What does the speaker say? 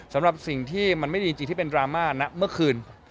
สำหรับสิ่งที่มันไม่ดีจริงที่เป็นดราม่านะเมื่อคืน